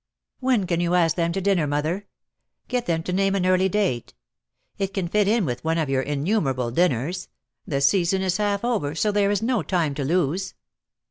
"When can you ask them to dinner, mother? Get them to name an early date. It can fit in with one of your innumerable dinners. The season is half over, so there is no time to lose."